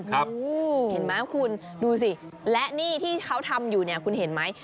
เห็นไหมคุณดูสิและนี่ที่เขาทำอยู่เนี่ยคุณเห็นไหม